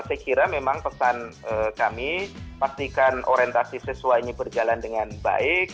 saya kira memang pesan kami pastikan orientasi siswa ini berjalan dengan baik